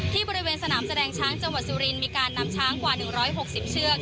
บริเวณสนามแสดงช้างจังหวัดสุรินทร์มีการนำช้างกว่า๑๖๐เชือก